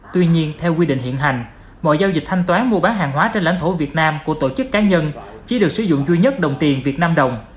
tuy nhiên theo quy định hiện hành mọi giao dịch thanh toán mua bán hàng hóa trên lãnh thổ việt nam của tổ chức cá nhân chỉ được sử dụng duy nhất đồng tiền việt nam đồng